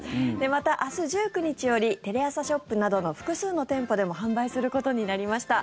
また、明日１９日よりテレアサショップなどの複数の店舗でも販売することになりました。